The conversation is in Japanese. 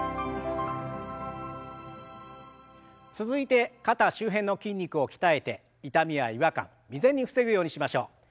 続いて肩周辺の筋肉を鍛えて痛みや違和感未然に防ぐようにしましょう。